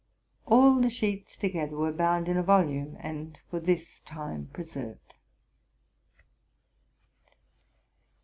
All the sheets together were bound in a volume, and for this time preserved.